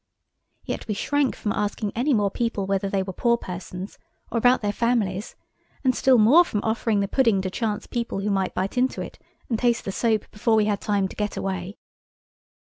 Yet we shrank from asking any more people whether they were poor persons, or about their families, and still more from offering the pudding to chance people who might bite into it and taste the soap before we had time to get away.